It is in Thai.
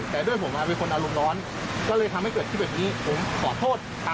แต่ผมเห็นใครจะไปตอบว่า